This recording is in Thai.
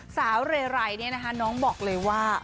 เรไรเนี่ยนะคะน้องบอกเลยว่า